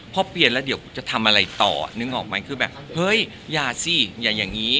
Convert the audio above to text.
พอเปลี่ยนแล้วเดี๋ยวจะทำอะไรต่อนึกออกไหมคือแบบเฮ้ยอย่าสิอย่าอย่างนี้